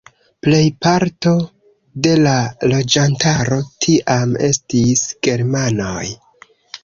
Plejparto de la loĝantaro tiam estis germanoj.